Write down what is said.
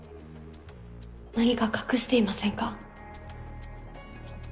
何か隠していませんか？